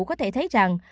có thể thấy rằng